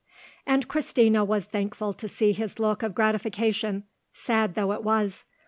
And Christina was thankful to see his look of gratification, sad though it was.